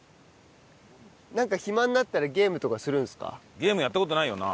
ゲームやった事ないよな。